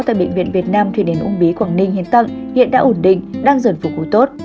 tại bệnh viện việt nam thụy điển ung bí quảng ninh hiến tặng hiện đã ổn định đang dần phục hồi tốt